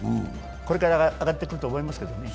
これから上がってくると思いますけどね。